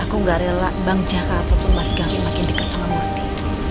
aku gak rela bang jakarta pun masih gak lebih deket sama murtid